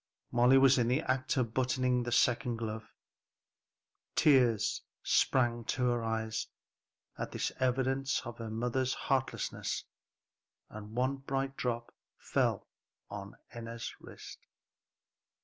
Molly was in the act of buttoning the second glove. Tears sprang to her eyes at this evidence of her mother's heartlessness, and one bright drop fell on Enna's wrist.